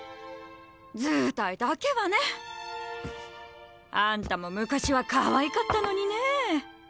図体だけはね。あんたも昔はかわいかったのにね。